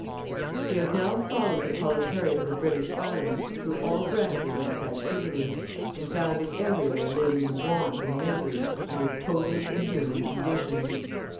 We have now followed the proletariat of the British Islands through all branches of its activity, and found it everywhere living in want and misery under totally inhuman conditions.